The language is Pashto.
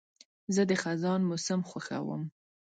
زه د خزان موسم خوښوم.